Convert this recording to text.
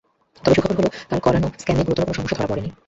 তবে সুখবর হলো, কাল করানো স্ক্যানে গুরুতর কোনো সমস্যা ধরা পড়েনি।